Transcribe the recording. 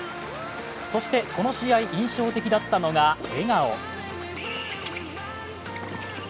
そしてこの試合印象的だったのが笑顔。